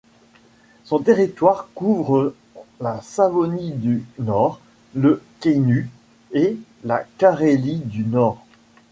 Son territoire couvre la Savonie du Nord, le Kainuu et la Carélie du Nord.